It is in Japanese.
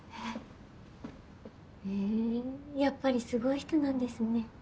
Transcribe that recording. へえやっぱりすごい人なんですね。